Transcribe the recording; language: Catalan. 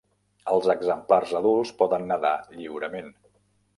Els exemplars adults poden nedar lliurement.